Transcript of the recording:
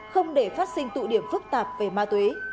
không để phát sinh tụ điểm phức tạp về ma túy